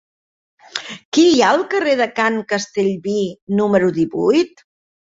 Què hi ha al carrer de Can Castellví número divuit?